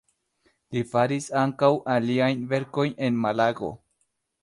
Li faris ankaŭ aliajn verkojn en Malago.